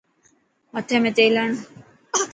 مٿي ۾ تيل هڻ.